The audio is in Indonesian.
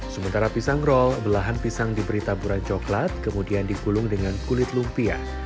sementara pisang roll belahan pisang diberi taburan coklat kemudian digulung dengan kulit lumpia